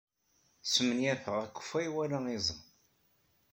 Smenyafeɣ akeffay wala iẓem.